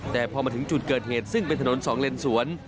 แต่พอมาถึงจุดเกิดเหตุซึ่งเป็นถนนสองเลนสวน